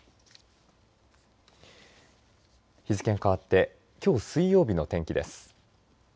日付が変わってきょう水曜日の天気です。